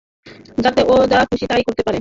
যাতে ও যা খুশি তাই করতে পারে?